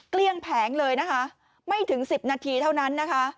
เกลี้ยงแผงเลยนะคะไม่ถึง๑๐นาทีเท่านั้นนะคะ